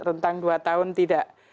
rentang dua tahun tidak